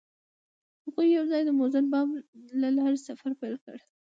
هغوی یوځای د موزون بام له لارې سفر پیل کړ.